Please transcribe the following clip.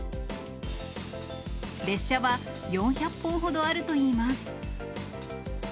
列車は４００本ほどあるといいます。